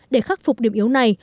để khắc phục điểm yếu này